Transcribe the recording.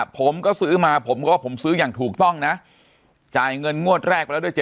ผมก็ซื้อมาผมก็ว่าผมซื้ออย่างถูกต้องนะจ่ายเงินงวดแรกไปแล้วด้วย